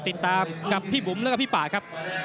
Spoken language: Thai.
ติดตามกับพี่บุ๋มแล้วก็พี่ป่าครับ